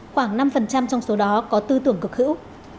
khoảng năm trong số đó có tư tưởng cực hữu